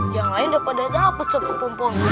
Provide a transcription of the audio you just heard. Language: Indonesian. yang lain udah pada dapet sob kepompongnya